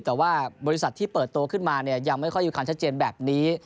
แต่ว่าบริษัทที่เปิดตัวขึ้นมาเนี่ยยังไม่ค่อยมีความชัดเจนแบบนี้